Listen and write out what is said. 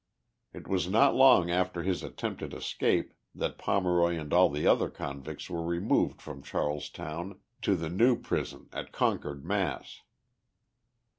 It was not long after his attempted escape that Pomeroy and all the other convicts were removed from Charlestown to the new prison at Concord, Mass.